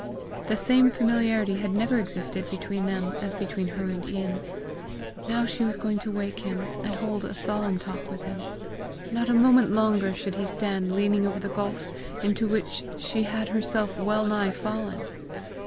The same familiarity had never existed between them as between her and Ian. Now she was going to wake him, and hold a solemn talk with him. Not a moment longer should he stand leaning over the gulf into which she had herself well nigh fallen!